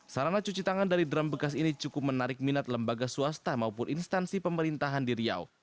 sarana cuci tangan dari drum bekas ini cukup menarik minat lembaga swasta maupun instansi pemerintahan di riau